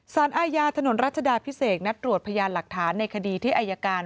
สารอาญาถนนรัชดาพิเศษนัดตรวจพยานหลักฐานในคดีที่อายการ